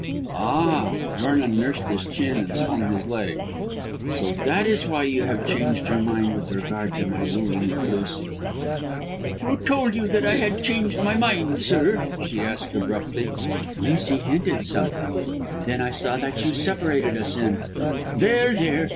"Ah!" Vernon nursed his chin and swung his leg. "So that is why you have changed your mind with regard to my wooing of Lucy?" "Who told you that I had changed my mind, sir?" she asked abruptly. "Lucy hinted something, and then I saw that you separated us in " "There, there!